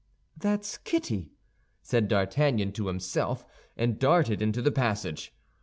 "That's Kitty!" said D'Artagnan to himself, and darted into the passage.